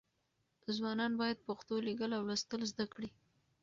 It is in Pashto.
ځوانان باید پښتو لیکل او لوستل زده کړي.